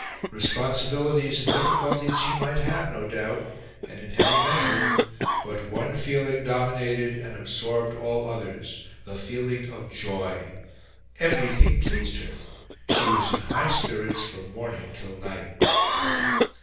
Responsibilities and difficulties she might have, no doubt, and in heavy measure; but one feeling dominated and absorbed all others the feeling of joy. Everything pleased her. She was in high spirits from morning till night.